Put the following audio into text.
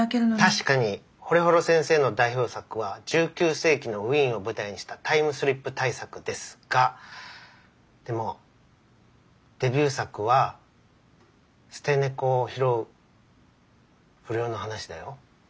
確かに惚幌先生の代表作は１９世紀のウィーンを舞台にしたタイムスリップ大作ですがでもデビュー作は捨て猫を拾う不良の話だよ。